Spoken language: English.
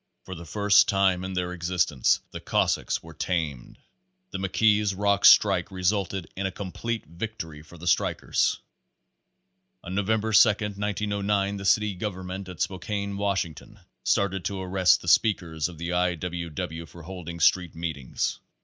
For the first time in their existence the cossaks were "tamed." The McKees Rocks strike resulted in a complete victory for the strikers. On November 2, 1909, the city government at Spo kane, Washington, started to arrest the speakers of the I. W. W. for holding street meetings.